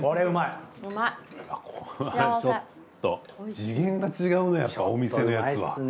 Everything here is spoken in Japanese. これちょっと次元が違うねやっぱお店のやつは。